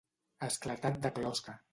Esclatat de closca.